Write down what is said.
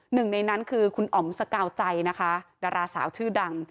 หนึ่งในนั้นคือคุณอ๋อมสกาวใจนะคะดาราสาวชื่อดัง